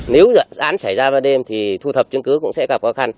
nếu án xảy ra vào đêm thì thu thập chứng cứ cũng sẽ gặp khó khăn